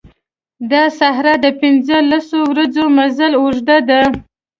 دا صحرا د پنځه لسو ورځو مزل اوږده ده.